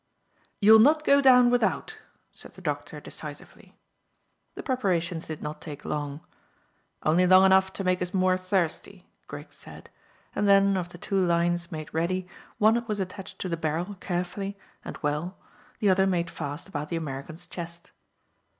"You'll not go down without," said the doctor decisively. The preparations did not take long, "only long enough to make us more thirsty," Griggs said; and then of the two lines made ready, one was attached to the barrel carefully and well, the other made fast about the American's chest.